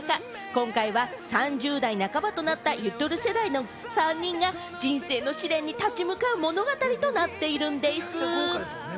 今回は３０代半ばとなった、ゆとり世代の３人が人生の試練に立ち向かう物語となっているんでぃす。